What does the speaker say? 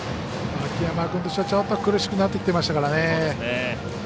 秋山君としてはちょっと苦しくなってきてましたからね。